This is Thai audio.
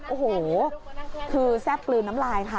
โอ้โหคือแซ่บกลืนน้ำลายค่ะ